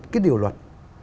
cái điều luật